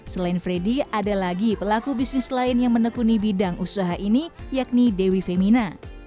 selain freddy ada lagi pelaku bisnis lain yang menekuni bidang usaha ini yakni dewi femina